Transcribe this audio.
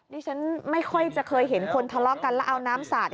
ดิฉันไม่ค่อยจะเคยเห็นคนทะเลาะกันแล้วเอาน้ำสาด